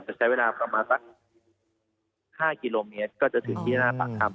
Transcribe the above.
แต่ใช้เวลาประมาณสัก๕กิโลเมตรก็จะถือที่หน้าถ้ำครับ